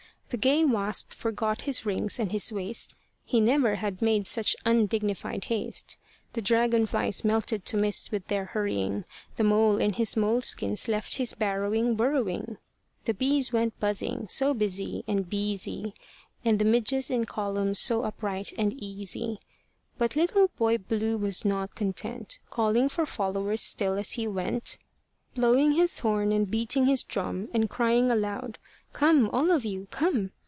The gay wasp forgot his rings and his waist, He never had made such undignified haste. The dragon flies melted to mist with their hurrying. The mole in his moleskins left his barrowing burrowing. The bees went buzzing, so busy and beesy, And the midges in columns so upright and easy. But Little Boy Blue was not content, Calling for followers still as he went, Blowing his horn, and beating his drum, And crying aloud, "Come all of you, come!"